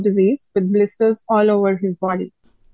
dengan penyakit yang berkumpul di seluruh badannya